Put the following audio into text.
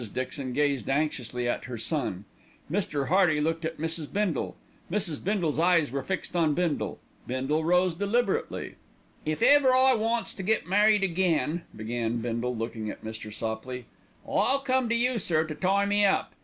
Dixon gazed anxiously at her son. Mr. Hearty looked at Mrs. Bindle. Mrs. Bindle's eyes were fixed on Bindle. Bindle rose deliberately. "If ever I wants to get married again," began Bindle, looking at Mr. Sopley, "I'll come to you, sir, to tie me up.